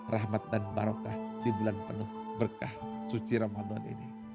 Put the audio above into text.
rahmat dan barokah di bulan penuh berkah suci ramadan ini